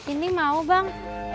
ini mau bang